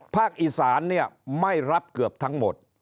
ภาคอีสานเนี่ยไม่รับเกือบทั้งหมด